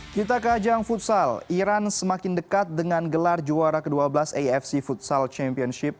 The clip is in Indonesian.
kita ke ajang futsal iran semakin dekat dengan gelar juara ke dua belas afc futsal championship